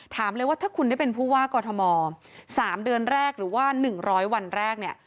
ถามเลยว่าถ้าคุณได้เป็นผู้ว่ากอทม๓เดือนแรกหรือว่า๑๐๐วันแรกเนี่ย